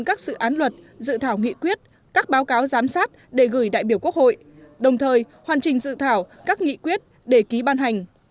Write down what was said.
các dự án luật dự thảo nghị quyết các báo cáo giám sát để gửi đại biểu quốc hội đồng thời hoàn trình dự thảo các nghị quyết để ký ban hành